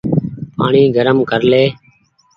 پآڻيٚ گرم ڪر لي ۔